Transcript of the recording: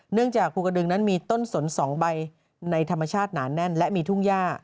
จากภูกระดึงนั้นมีต้นสน๒ใบในธรรมชาติหนาแน่นและมีทุ่งย่า